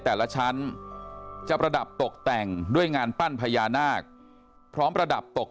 แต่ละชั้นจะประดับตกแต่งด้วยงานปั้นพญานาคพร้อมประดับตก